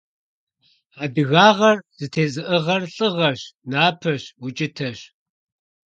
Адыгагъэр зэтезыӀыгъэр лӀыгъэщ, напэщ, укӀытэщ.